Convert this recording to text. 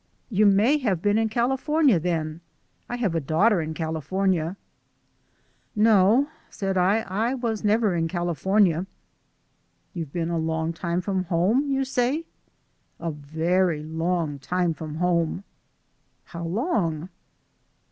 "You may have been in California, then. I have a daughter in California." "No," said I, "I was never in California." "You've been a long time from home, you say?" "A very long time from home." "How long?"